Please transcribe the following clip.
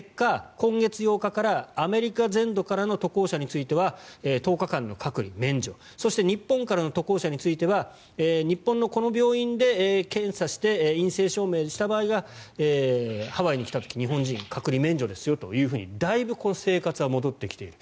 今月８日からアメリカ全土からの渡航者については１０日間の隔離免除そして日本からの渡航者については日本のこの病院で検査して陰性証明した場合はハワイに来た時日本人は隔離免除ですよとだいぶ生活は戻ってきている。